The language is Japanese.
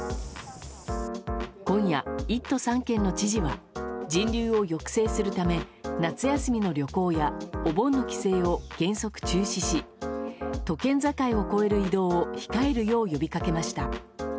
今夜、１都３県の知事は人流を抑制するため夏休みの旅行やお盆の帰省を原則中止し都県境を越える移動を控えるよう呼びかけました。